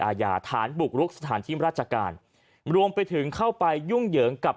อาญาฐานบุกรุกสถานที่ราชการรวมไปถึงเข้าไปยุ่งเหยิงกับ